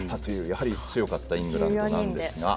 やはり強かったイングランドなんですが。